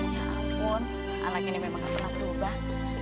ya ampun ala gini memang tak pernah berubah